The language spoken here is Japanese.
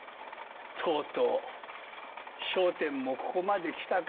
とうとう『笑点』もここまで来たか。